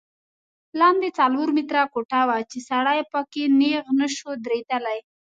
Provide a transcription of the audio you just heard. لاندې څلور متره کوټه وه چې سړی په کې نیغ نه شو درېدلی.